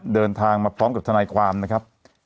เดินทางมาพร้อมกับทนายความนะครับ